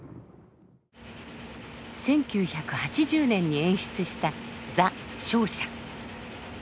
１９８０年に演出した「ザ・商社」。